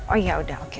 oh ya udah oke